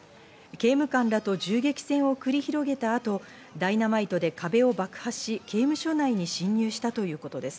刑務官らと銃撃戦を繰り広げた後、ダイナマイトで壁を爆破し、刑務所内に侵入したということです。